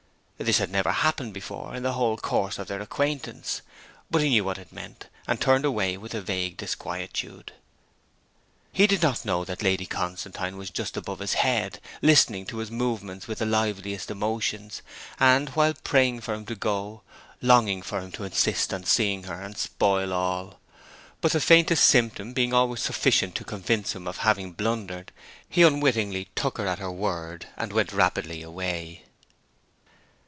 This had never happened before in the whole course of their acquaintance. But he knew what it meant, and turned away with a vague disquietude. He did not know that Lady Constantine was just above his head, listening to his movements with the liveliest emotions, and, while praying for him to go, longing for him to insist on seeing her and spoil all. But the faintest symptom being always sufficient to convince him of having blundered, he unwittingly took her at her word, and went rapidly away.